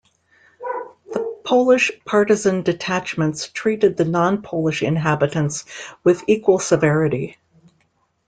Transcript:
The Polish partisan detachments treated the non-Polish inhabitants with equal severity.